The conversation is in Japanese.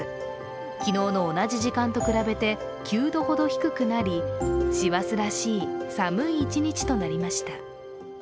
昨日の同じ時間と比べて、９度ほど低くなり師走らしい寒い一日となりました。